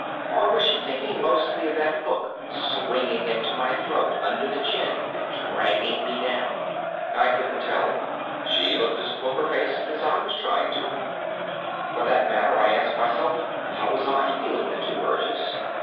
Or was she thinking mostly of that hook swinging into my throat under the chin and dragging me down? I couldn't tell. She looked as poker faced as I was trying to. For that matter, I asked myself, how was I feeling the two urges?